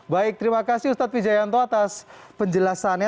baik terima kasih ustadz wijayanto atas penjelasannya